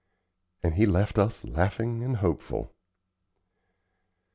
And he left us laughing and hopeful.